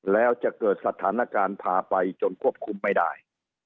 แล้วจะเกิดสถานการณ์พาไปจนควบคุมไม่ได้